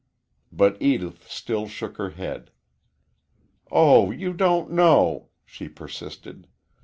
But Edith still shook her head. "Oh, you don't know!" she persisted.